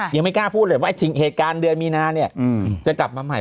ยังไม่กล้าพูดเลยว่าถึงเหตุการณ์เดือนมีนาเนี่ยจะกลับมาใหม่